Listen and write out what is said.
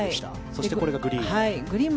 そしてこれがグリーン。